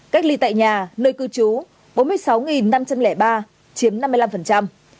cách ly tại nhà nơi cư trú là bốn mươi sáu năm trăm linh ba